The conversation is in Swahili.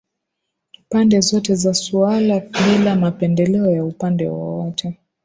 Pande zote za suala bila mapendeleo ya upande wowote